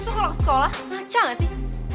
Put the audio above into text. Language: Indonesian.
itu kalau sekolah ngaca nggak sih